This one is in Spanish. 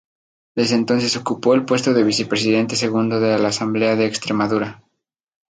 Desde entonces ocupó el puesto de vicepresidente segundo de la Asamblea de Extremadura.